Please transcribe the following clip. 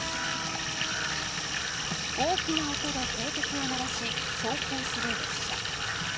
大きな音で警笛を鳴らし走行する列車。